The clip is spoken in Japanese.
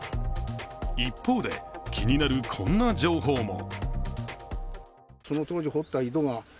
一方で、気になるこんな情報も。